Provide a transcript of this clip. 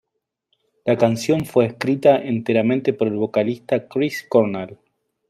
La canción fue escrita enteramente por el vocalista Chris Cornell.